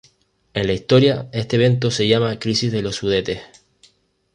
En la historia este evento se llama Crisis de los Sudetes.